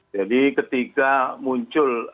jadi ketika muncul